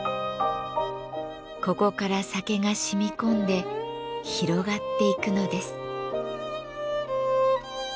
ここから酒が染み込んで広がっていくのです。